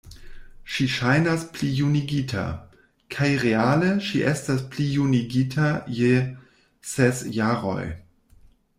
Ŝi ŝajnas plijunigita; kaj reale ŝi estas plijunigita je ses jaroj.